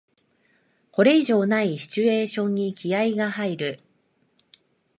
これ以上ないシチュエーションに気合いが入る